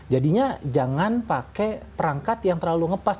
jadinya jangan pakai perangkat yang terlalu ngepas